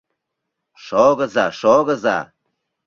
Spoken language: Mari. Шогыза, шогыза.